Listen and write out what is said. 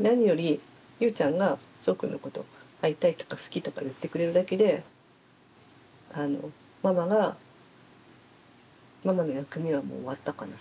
何よりゆうちゃんがしょうくんのこと会いたいとか好きとか言ってくれるだけでママがママの役目はもう終わったかな。